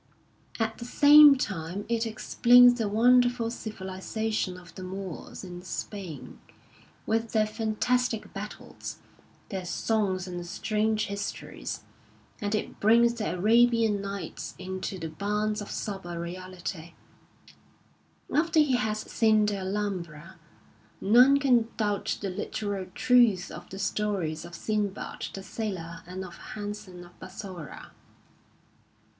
At the same time it explains the wonderful civilisation of the Moors in Spain, with their fantastic battles, their songs and strange histories; and it brings the Arabian Nights into the bounds of sober reality: after he has seen the Alhambi*a none can doubt the literal truth of the stories of Sinbad the Sailor and of Hasan of Bassorah.